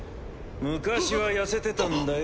昔は痩せてたんだよ。